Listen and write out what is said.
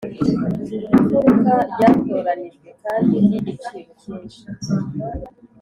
Impfuruka ryatoranijwe kandi ry igiciro cyinshi